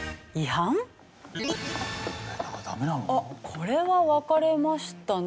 これは分かれましたね。